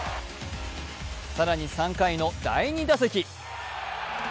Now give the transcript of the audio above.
更に３回の第２打席。